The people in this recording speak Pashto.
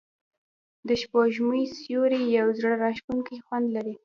د سپوږمۍ سیوری یو زړه راښکونکی خوند لري.